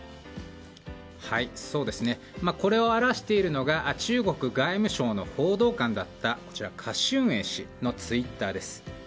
これを表しているのが中国外務省の報道官だったカ・シュンエイ氏のツイッター。